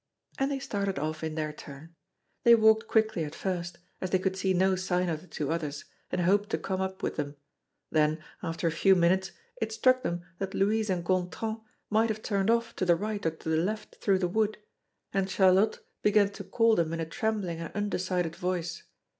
And they started off in their turn. They walked quickly at first, as they could see no sign of the two others, and hoped to come up with them; then, after a few minutes, it struck them that Louise and Gontran might have turned off to the right or to the left through the wood, and Charlotte began to call them in a trembling and undecided voice.